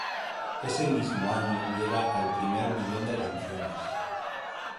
Ese mismo año llega al primer millón de atenciones.